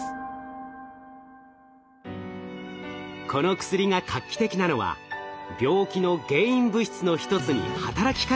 この薬が画期的なのは病気の原因物質の一つに働きかけること。